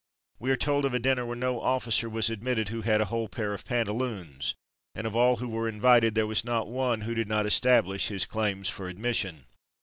We are told of a dinner where no officer was admitted who had a whole pair of pantaloons, and of all who were invited there was not one who did not establish his claims for admission.